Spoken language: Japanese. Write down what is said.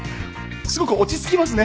すごく落ち着きますね